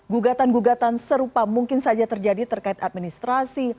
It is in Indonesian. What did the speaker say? gugatan gugatan serupa mungkin saja terjadi terkait administrasi